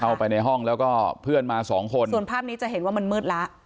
เข้าไปในห้องแล้วก็เพื่อนมาสองคนส่วนภาพนี้จะเห็นว่ามันมืดแล้ว